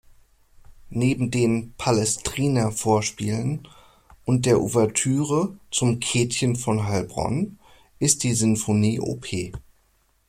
Neben den "Palestrina-Vorspielen" und der Ouvertüre zum "Käthchen von Heilbronn" ist die Sinfonie op.